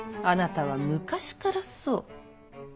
あなたは昔からそう。